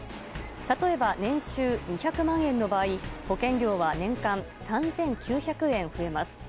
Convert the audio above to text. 例えば、年収２００万円の場合保険料は年間３９００円増えます。